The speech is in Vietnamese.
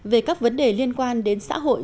về các vấn đề liên quan đến xã hội